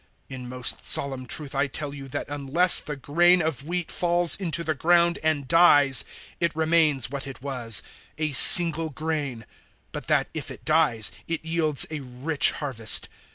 012:024 In most solemn truth I tell you that unless the grain of wheat falls into the ground and dies, it remains what it was a single grain; but that if it dies, it yields a rich harvest.